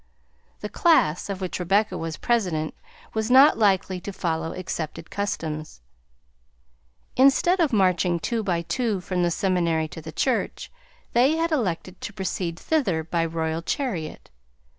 The class of which Rebecca was president was not likely to follow accepted customs. Instead of marching two by two from the seminary to the church, they had elected to proceed thither by royal chariot.